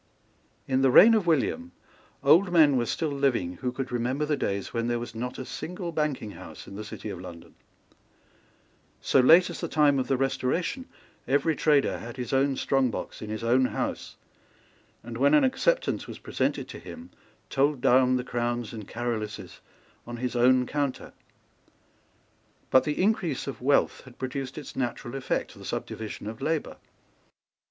In the reign of William old men were still living who could remember the days when there was not a single banking house in the city of London. So late as the time of the Restoration every trader had his own strong box in his own house, and, when an acceptance was presented to him, told down the crowns and Caroluses on his own counter. But the increase of wealth had produced its natural effect, the subdivision of labour.